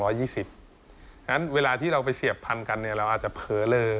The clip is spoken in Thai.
ฉะนั้นเวลาที่เราไปเสียบพันกันเราอาจจะเผลอเลอ